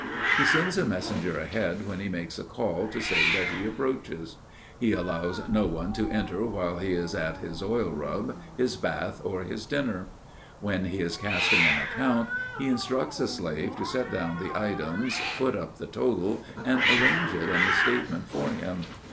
He sends a messenger ahead when he makes a call, to say that he approaches. He allows no one to enter while he is at his oil rub, his bath, or his dinner. When he is casting an account, he instructs a slave to set down the items, foot up the total, and arrange it in a statement for him.